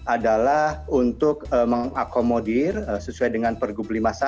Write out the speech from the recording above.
adalah untuk mengakomodir sesuai dengan pergub lima puluh satu